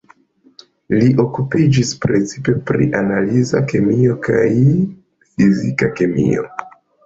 Li okupiĝis precipe pri analiza kemio kaj fizika kemio.